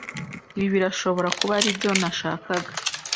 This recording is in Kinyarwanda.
Ibi birashobora kuba aribyo nashakaga.